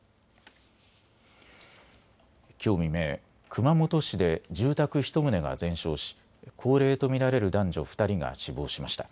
きょう未明、熊本市で住宅１棟が全焼し高齢と見られる男女２人が死亡しました。